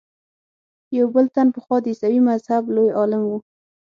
یو بل تن پخوا د عیسایي مذهب لوی عالم و.